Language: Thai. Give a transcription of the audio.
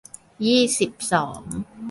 ยี่สิบสอง